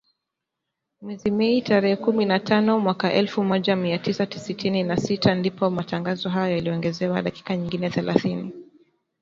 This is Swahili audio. Mwezi Mei, tarehe kumi na tano, mwaka elfu moja mia tisa sitini na sita, ndipo matangazo hayo yaliongezewa dakika nyingine thelathini.